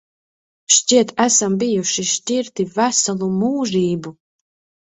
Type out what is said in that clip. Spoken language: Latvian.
Šķiet, esam bijuši šķirti veselu mūžību.